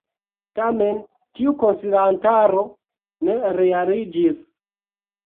Tamen tiu konsilantaro ne realiĝis.